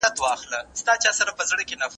ذمي په اسلامي نظام کي خوندي ژوند لري.